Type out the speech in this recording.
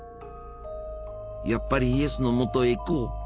やっぱりイエスのもとへ行こう！